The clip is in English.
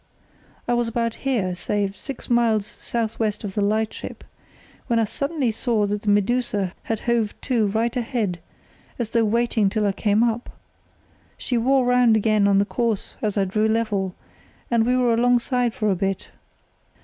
I was about here, say six miles south west of the lightship, [See Chart A] when I suddenly saw that the Medusa had hove to right ahead, as though waiting till I came up. She wore round again on the course as I drew level, and we were alongside for a bit.